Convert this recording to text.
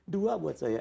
dua buat saya